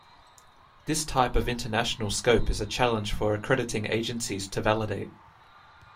This type of international scope is a challenge for accrediting agencies to validate.